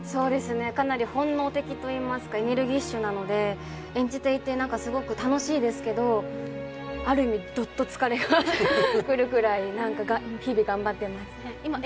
かなり本能的といいますかエネルギッシュなので演じていて、すごく楽しいですけどある意味、どっと疲れが来るくらい日々頑張っています。